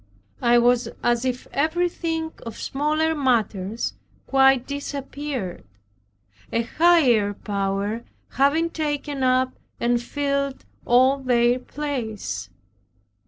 I was as if everything, of smaller matters, quite disappeared, a higher power having taken up and filled all their place.